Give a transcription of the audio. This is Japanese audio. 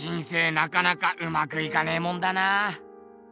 なかなかうまくいかねえもんだな。